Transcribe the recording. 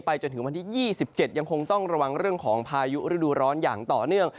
จนถึงวันที่๒๗ยังคงต้องระวังเรื่องของพายุฤดูร้อนอย่างต่อเนื่อง